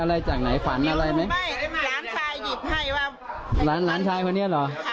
แล้วจะใช้อะไรเอาเงินไปใช้อะไร